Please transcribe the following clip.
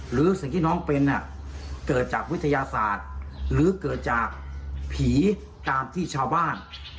หรือสิ่งที่น้องเป็นเกิดจากวิทยาศาสตร์หรือเกิดจากผีตามที่ชาวบ้าน